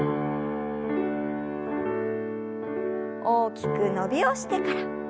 大きく伸びをしてから。